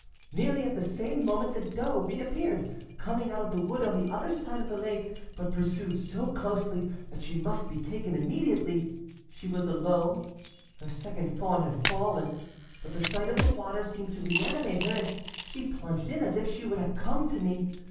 Nearly at the same moment the doe reappeared, coming out of the wood on the other side of the lake, but pursued so closely that she must be taken immediately. She was alone, her second fawn had fallen, but the sight of the water seemed to reanimate her, and she plunged in as if she would have come to me.